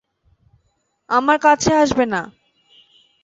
আমার কাছে আসবে না!